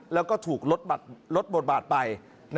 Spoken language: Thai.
แล้วก็ถูกลดบทบาทไป